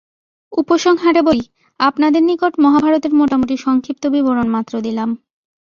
উপসংহারে বলি, আপনাদের নিকট মহাভারতের মোটামুটি সংক্ষিপ্ত বিবরণমাত্র দিলাম।